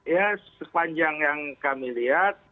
ya sepanjang yang kami lihat